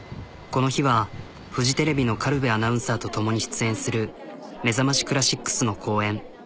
この日はフジテレビの軽部アナウンサーと共に出演する「めざましクラシックス」の公演。